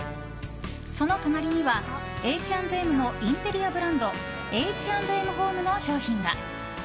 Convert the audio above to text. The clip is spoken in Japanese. その隣にはＨ＆ＭのインテリアブランドＨ＆ＭＨＯＭＥの商品が。